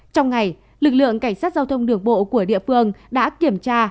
trong ngày lực lượng cảnh sát giao thông đường bộ của địa phương đã kiểm tra